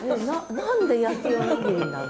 何で焼きおにぎりなの？